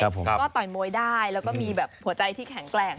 ก็ต่อยมวยได้แล้วก็มีแบบหัวใจที่แข็งแกร่ง